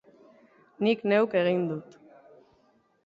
Nik neuk egin dut.